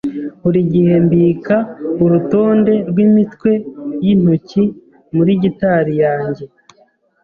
Buri gihe mbika urutonde rwimitwe yintoki muri gitari yanjye.